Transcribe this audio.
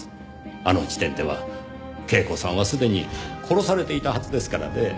あの時点では恵子さんは既に殺されていたはずですからねぇ。